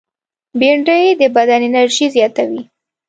بېنډۍ د بدن انرژي زیاتوي